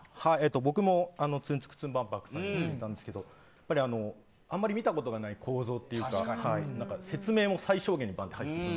僕もツンツクツン万博さんに入れたんですけどあんまり見たことがない構造というか説明を最小限にして入っていく。